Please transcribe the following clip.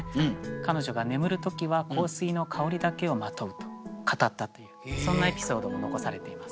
彼女が眠る時は香水の香りだけをまとうと語ったというそんなエピソードも残されています。